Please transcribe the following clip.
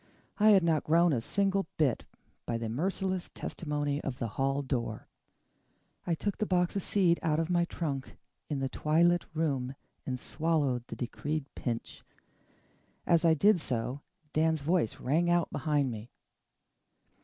I had not grown a single bit, by the merciless testimony of the hall door. I took the box of seed out of my trunk in the twilit room and swallowed the decreed pinch. As I did so, Dan's voice rang out behind me.